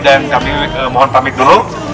dan kami mohon pamit dulu